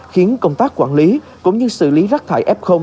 khiến công tác quản lý cũng như xử lý rác thải f